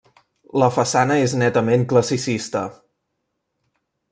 La façana és netament classicista.